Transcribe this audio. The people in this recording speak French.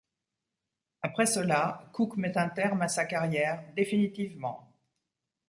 Après cela, Cook met un terme à sa carrière définitivement.